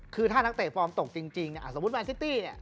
คือถ้านักเตะฟอร์มตกจริงเนี่ยสมมุติแมนซิตี้เนี่ย